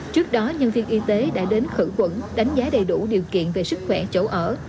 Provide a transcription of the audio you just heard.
trước đó nhân viên y tế đã đến khử quẩn đánh giá đầy đủ điều kiện về sức khỏe chỗ ở